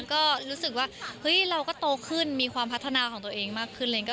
ก็รู้สึกว่าเฮ้ยเราก็โตขึ้นมีความพัฒนาของตัวเองมากขึ้น